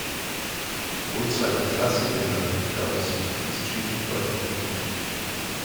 Obwohl zu einer Klasse gehörend, gab es unter diesen Schiffen deutliche Unterschiede.